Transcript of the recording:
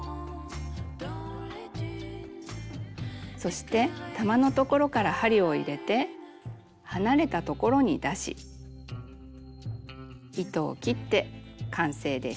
そして玉のところから針を入れて離れたところに出し糸を切って完成です。